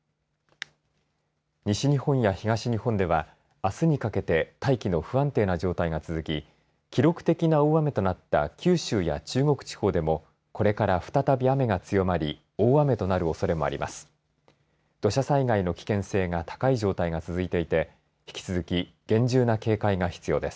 西日本や東日本ではあすにかけて大気の不安定な状態が続き記録的な大雨となった九州や中国地方でもこれから再び雨が強まり大雨となるおそれもあります。